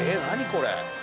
これ。